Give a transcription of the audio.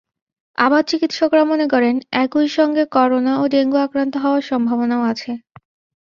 আবার চিকিৎসকরা মনে করেন, একই সঙ্গে করোনা ও ডেঙ্গু আক্রান্ত হওয়ার সম্ভাবনাও আছে।